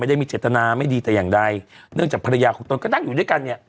ได้มีเจตนาไม่ดีแต่อย่างใดเนื่องจากภรรยาของตนก็นั่งอยู่ด้วยกันเนี่ย